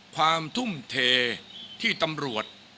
ความทุ่มเทที่ตำรวจ